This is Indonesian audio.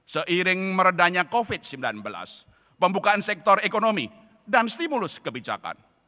seiring meredahnya covid sembilan belas pembukaan sektor ekonomi dan stimulus kebijakan